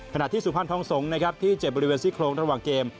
ขณะที่สุพรรณทองทรงที่เจ็บบริเวณซิกโครงระหว่างเกม